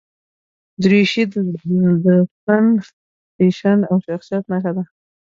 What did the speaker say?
دریشي د فن، فیشن او شخصیت نښه ده.